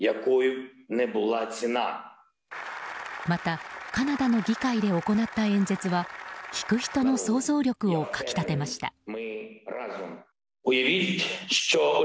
また、カナダの議会で行った演説は聞く人の想像力をかき立てました。